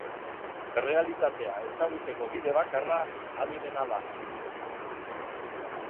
Errealitatea ezagutzeko bide bakarra adimena da.